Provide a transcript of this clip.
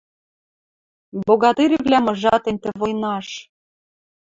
Богатырьвлӓм ыжатен тӹ войнаш